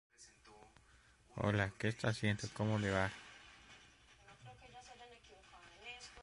Un falso documental sobre canibalismo.